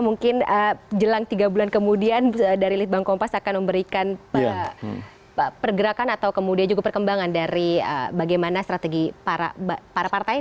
mungkin jelang tiga bulan kemudian dari litbang kompas akan memberikan pergerakan atau kemudian juga perkembangan dari bagaimana strategi para partai